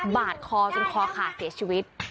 บาดคอจนคอขาดเสียชีวิต